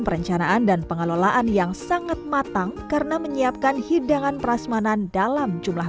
perencanaan dan pengelolaan yang sangat matang karena menyiapkan hidangan prasmanan dalam jumlah